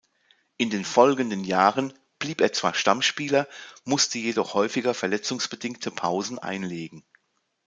In den folgenden Jahren blieb er zwar Stammspieler, musste jedoch häufiger verletzungsbedingte Pausen einlegen.